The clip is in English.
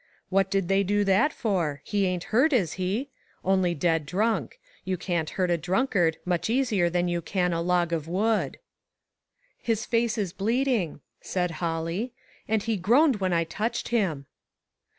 *' What did they do that for ? He ain't hurt, is he ? Only dead drunk. You can't hurt a drunk ONE OF THE HOPELESS CASES. 33! ard much easier than you can a log of wood." " His face is bleeding," said Holly, " and he groaned when I touched him."